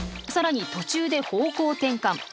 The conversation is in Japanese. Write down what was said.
更に途中で方向転換。